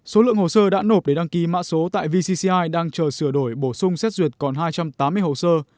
số lượng hồ sơ đã nộp để đăng ký mã số tại vcci đang chờ sửa đổi bổ sung xét duyệt còn hai trăm tám mươi hồ sơ